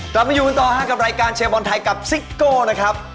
กลับมาอยู่กันต่อฮะกับรายการเชียร์บอลไทยกับซิโก้นะครับ